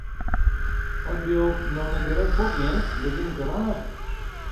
At jo no net direkt fuort geane, begjin ik te razen.